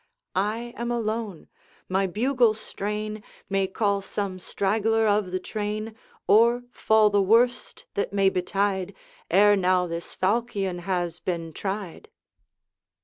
I am alone; my bugle strain May call some straggler of the train; Or, fall the worst that may betide, Ere now this falchion has been tried.'